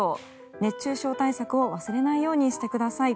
熱中症対策を忘れないようにしてください。